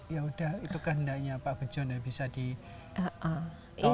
ya udah itu kan hendaknya pak bejo bisa ditolak